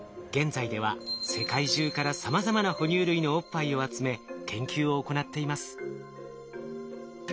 現在では世界中からさまざまな哺乳類のおっぱいを集め研究を行っています。